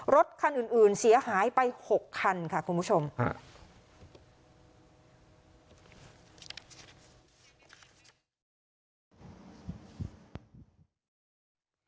รถคันอื่นอื่นเสียหายไปหกคันค่ะคุณผู้ชมฮะ